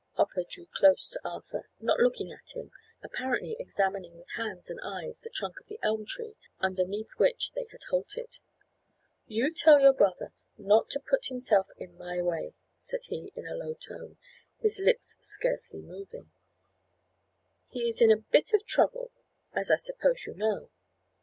Hopper drew close to Arthur, not looking at him, apparently examining with hands and eyes the trunk of the elm tree underneath which they had halted. "You tell your brother not to put himself in my way," said he, in a low tone, his lips scarcely moving. "He is in a bit of trouble, as I suppose you know."